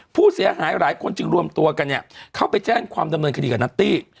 ผู้เสียหายหลายคนจึงรวมตัวกันเนี่ยเข้าไปแจ้งความดำเนินคดีกับนัตตี้